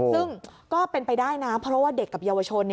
ซึ่งก็เป็นไปได้นะเพราะว่าเด็กกับเยาวชน